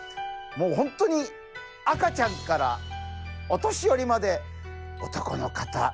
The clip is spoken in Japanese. もうほんとに赤ちゃんからお年寄りまで男の方